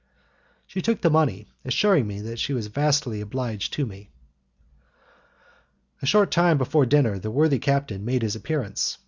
She took the money, assuring me that she was vastly obliged to me. A short time before dinner the worthy captain made his appearance.